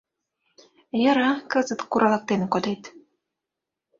Йӧра, кызыт куралыктен кодет.